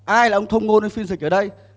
ai là ông thông ngôn phiên dịch ở đây